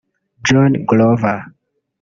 John Glover